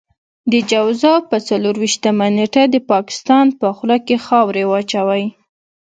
د جوزا په څلور وېشتمه نېټه د پاکستان په خوله کې خاورې واچوئ.